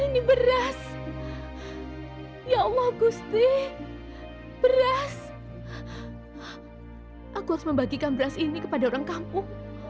ini beras ya allah gusti beras aku harus membagikan beras ini kepada orang kampung